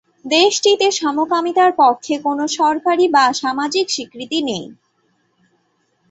দেশটিতে সমকামিতার পক্ষে কোনো সরকারী বা সামাজিক স্বীকৃতি নেই।